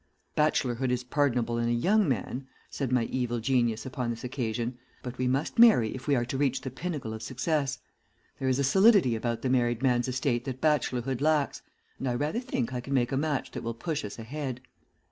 "'Bachelorhood is pardonable in a young man,' said my evil genius upon this occasion, 'but we must marry if we are to reach the pinnacle of success. There is a solidity about the married man's estate that bachelorhood lacks, and I rather think I can make a match that will push us ahead.'